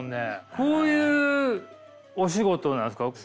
こういうお仕事なんですか？